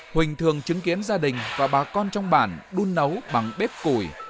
huỳnh thường chứng kiến gia đình và bà con trong bản đun nấu bằng bếp củi